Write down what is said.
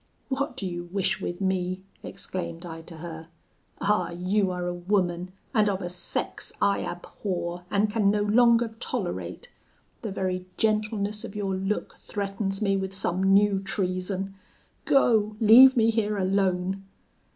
'What do you wish with me?' exclaimed I to her. 'Ah! you are a woman, and of a sex I abhor, and can no longer tolerate; the very gentleness of your look threatens me with some new treason. Go, leave me here alone!'